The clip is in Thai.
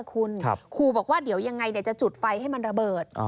คุณครูบอกว่าเดี๋ยวยังไงจะจุดไฟให้มันระเบิด